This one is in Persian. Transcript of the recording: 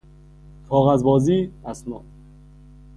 کاغذ بازی، اسناد